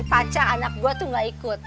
pacar anak gue tuh gak ikut